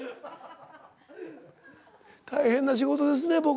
大変な仕事ですねぇ僕。